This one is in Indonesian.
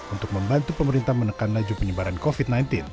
untuk membantu pemerintah menekan laju penyebaran covid sembilan belas